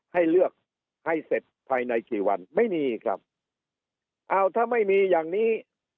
ให้เลือกให้เสร็จภายในกี่วันไม่มีครับอ้าวถ้าไม่มีอย่างนี้